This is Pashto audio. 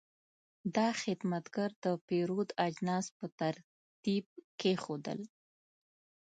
دا خدمتګر د پیرود اجناس په ترتیب کېښودل.